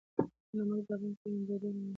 نمک د افغان کورنیو د دودونو مهم عنصر دی.